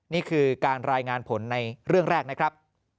นี่คือการรายงานผลในเรื่องแรกนะครับ